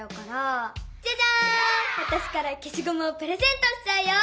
わたしからけしごむをプレゼントしちゃうよ。